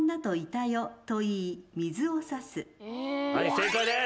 正解です。